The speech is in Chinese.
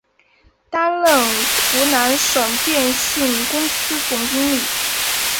担任湖南省电信公司总经理。